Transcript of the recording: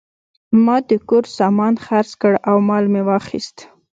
ما د کور سامان خرڅ کړ او مال مې واخیست.